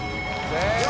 正解！